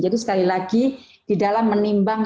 jadi sekali lagi di dalam menimbang